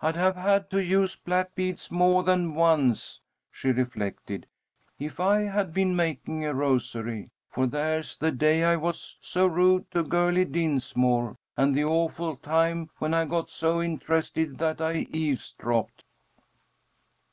"I'd have had to use black beads more than once," she reflected, "if I had been making a rosary, for there's the day I was so rude to Girlie Dinsmore, and the awful time when I got so interested that I eavesdropped."